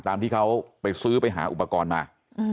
ตามที่เขาไปซื้อไปหาอุปกรณ์มา